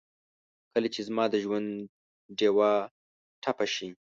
کله چې زما دژوندډېوه ټپه شي